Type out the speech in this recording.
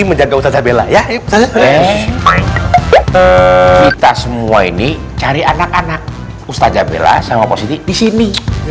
menjaga usaha bella ya eh kita semua ini cari anak anak ustadz abela sama posisi di sini